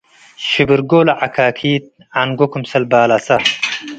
ሽብርጎ ለዐካኪት ዐንጎ ክምሰል ባለሰ